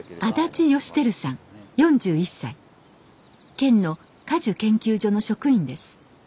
県の果樹研究所の職員です。